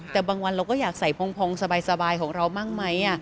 แต่บางวันเราก็อยากใส่พองสบายของเราบ้างไหม